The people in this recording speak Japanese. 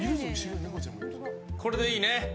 これでいいね。